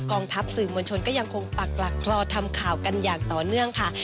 ทัพสื่อมวลชนก็ยังคงปักหลักรอทำข่าวกันอย่างต่อเนื่องค่ะ